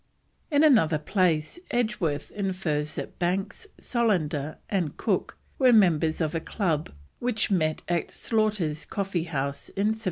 In another place Edgeworth infers that Banks, Solander, and Cook were members of a club which met at Slaughter's Coffee House in 1765.